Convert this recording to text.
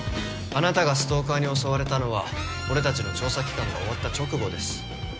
あなたがストーカーに襲われたのは俺たちの調査期間が終わった直後です。